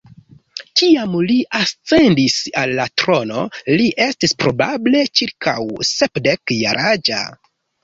Kiam li ascendis al la trono, li estis probable ĉirkaŭ sepdek-jaraĝa.